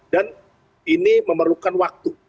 dan ini memerlukan waktu